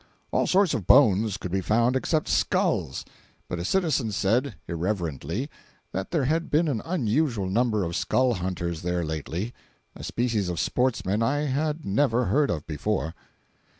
All sorts of bones could be found except skulls; but a citizen said, irreverently, that there had been an unusual number of "skull hunters" there lately—a species of sportsmen I had never heard of before.